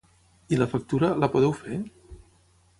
I la factura, la podeu fer?